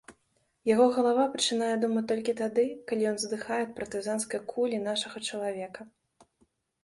Яго галава пачынае думаць толькі тады, калі ён здыхае ад партызанскай кулі нашага чалавека.